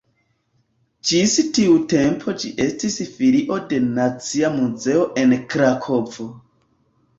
Ĝis tiu tempo ĝi estis filio de Nacia Muzeo en Krakovo.